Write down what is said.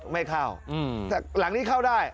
ไม่เข้าแต่หลังนี้เข้าได้